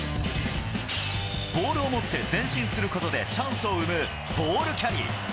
ボールを持って前進することで、チャンスを生むボールキャリー。